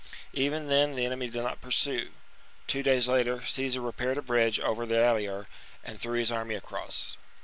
Even then the enemy did not pursue. Two days later Caesar repaired a bridge over the Allier and threw his army across.